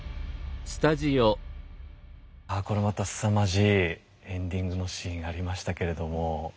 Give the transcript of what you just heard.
まあこれまたすさまじいエンディングのシーンありましたけれども。